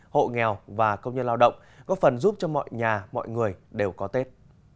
hộ nghèo và công nhân lao động góp phần giúp cho mọi nhà mọi người đều có tết